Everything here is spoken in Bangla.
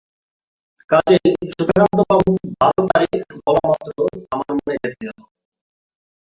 কাজেই সুধাকান্তবাবু বার তারিখ বলমাত্র আমার মনে গেঁথে গেল।